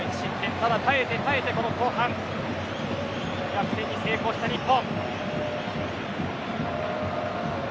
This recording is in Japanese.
ただ、耐えて耐えてこの後半、逆転に成功した日本。